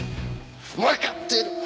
わかってる！